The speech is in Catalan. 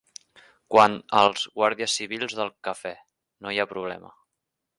Quant als guàrdies civils del Cafè, no hi havia problema